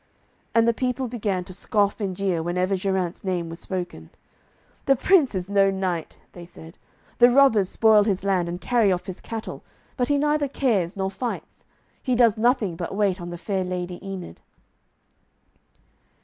And the people began to scoff and jeer whenever Geraint's name was spoken. 'The Prince is no knight,' they said. 'The robbers spoil his land and carry off his cattle, but he neither cares nor fights. He does nothing but wait on the fair Lady Enid.'